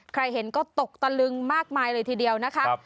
ใครเห็นก็ตกตะลึงมากมายเลยทีเดียวนะคะ